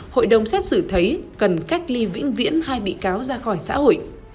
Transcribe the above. hội đồng xét xử thấy cần cách ly vĩnh viễn hai bị cáo ra khỏi xã hội